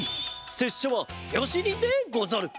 せっしゃはよし忍でござる。